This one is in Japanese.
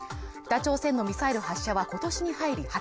北朝鮮のミサイル発射は今年に入り